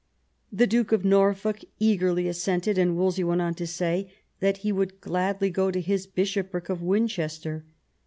The Duke of Norfolk eagerly assented, and Wolsey went on to say that he would gladly go to his bishopric of Winchester.